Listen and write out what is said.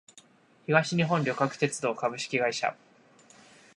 東日本旅客鉄道株式会社